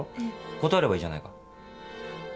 断ればいいじゃないか。